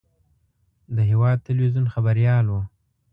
د هېواد تلویزیون خبریال و.